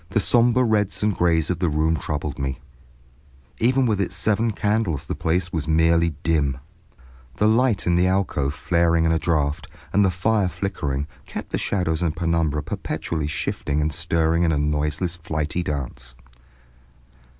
The sombre reds and grays of the room troubled me; even with its seven candles the place was merely dim. The light in the alcove flaring in a draft, and the fire flickering, kept the shadows and penumbra perpetually shifting and stirring in a noiseless flighty dance.